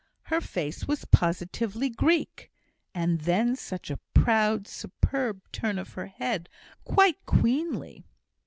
Her face was positively Greek; and then such a proud, superb turn of her head; quite queenly!